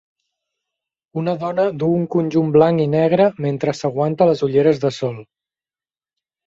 Una dona du un conjunt blanc i negre mentre s'aguanta les ulleres de sol.